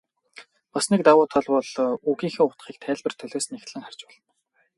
Бас нэг давуу тал бол үгийнхээ утгыг тайлбар толиос нягтлан харж болно.